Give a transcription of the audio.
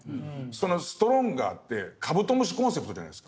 そのストロンガーってカブトムシコンセプトじゃないですか。